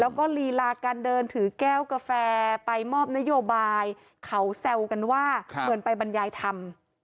แล้วก็ลีลาการเดินถือแก้วกาแฟไปมอบนโยบายเขาแซวกันว่าเหมือนไปบรรยายธรรม